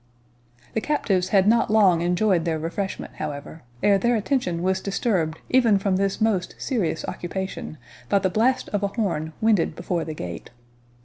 The captives had not long enjoyed their refreshment, however, ere their attention was disturbed even from this most serious occupation by the blast of a horn winded before the gate.